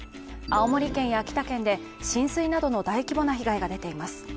青森県や秋田県で浸水などの大規模な被害が出ています。